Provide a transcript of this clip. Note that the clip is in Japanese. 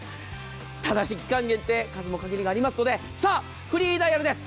ただし、期間限定数も限りがありますのでさあ、フリーダイヤルです。